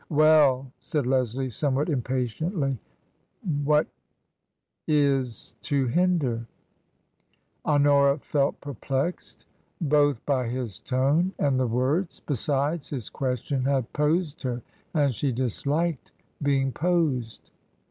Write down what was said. " Well !" said Leslie, somewhat impatiently ; ""^at is to hinder ?" Honora felt perplexed both by his tone and the words. Besides, his question had posed her, and she disliked being posed.